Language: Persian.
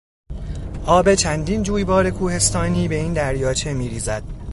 آب چندین جویبار کوهستانی به این دریاچه میریزد.